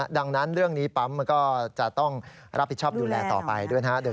ดังนั้นเรื่องนี้ปั๊มมันก็จะต้องรับผิดชอบดูแลต่อไปด้วยนะฮะ